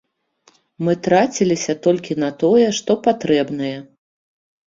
Мы траціліся толькі на тое, што патрэбнае.